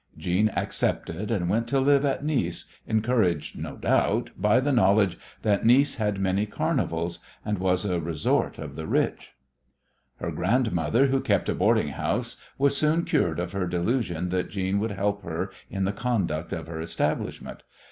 Jeanne accepted, and went to live at Nice, encouraged, no doubt, by the knowledge that Nice had many carnivals, and was a resort of the rich. Her grandmother, who kept a boarding house, was soon cured of her delusion that Jeanne would help her in the conduct of her establishment.